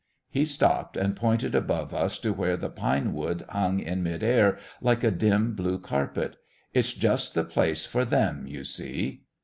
He stopped and pointed above us to where the pine wood hung in mid air, like a dim blue carpet. "It's just the place for Them, you see."